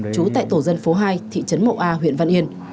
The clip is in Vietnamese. chú tại tổ dân phố hai thị trấn mộ a huyện văn yên